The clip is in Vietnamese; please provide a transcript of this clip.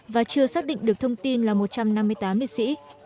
và chưa xác định được thông tin là một trăm năm mươi tám liệt sĩ